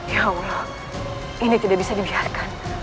ya allah ini tidak bisa dibiarkan